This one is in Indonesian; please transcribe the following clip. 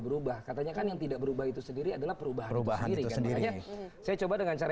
berubah katanya kan yang tidak berubah itu sendiri adalah perubahan sendiri kan makanya saya coba dengan cara